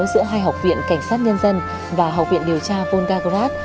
giữa hai học viện cảnh sát nhân dân và học viện điều tra volgas